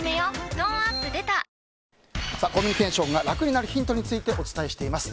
トーンアップ出たコミュニケーションが楽になるヒントについてお伝えしています。